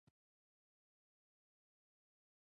احمد زموږ د کور لویه سټه ده، خدای دې تر ډېرو ژوندی لري.